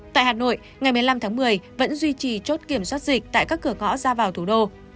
tại hà nội ngày một mươi năm tháng một mươi vẫn duy trì chốt kiểm soát dịch tại các cửa ngõ ra vào thủ đô